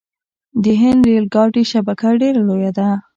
د هند ریل ګاډي شبکه ډیره لویه ده.